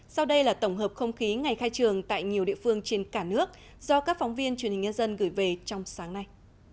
sau đây là tổng hợp không khí ngày khai trường tại nhiều địa phương trên cả nước do các phóng viên truyền hình nhân dân gửi về trong sáng nay